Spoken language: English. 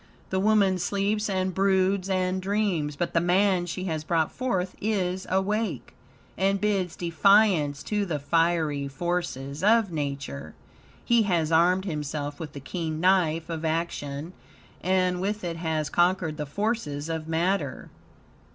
The woman sleeps and broods and dreams, but the man she has brought forth is awake, and bids defiance to the fiery forces of Nature. He has armed himself with the keen knife of action, and with it has conquered the forces of matter.